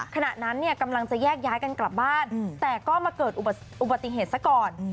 ขณะนั้นเนี่ยกำลังจะแยกย้ายกันกลับบ้านแต่ก็มาเกิดอุบัติเหตุซะก่อน